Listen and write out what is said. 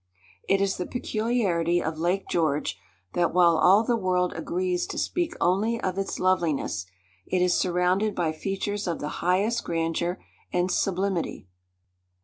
It is the peculiarity of Lake George, that, while all the world agrees to speak only of its loveliness, it is surrounded by features of the highest grandeur and sublimity.